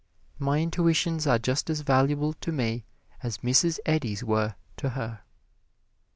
My intuitions are just as valuable to me as Mrs. Eddy's were to her.